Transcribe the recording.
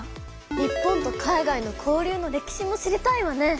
日本と海外の交流の歴史も知りたいわね。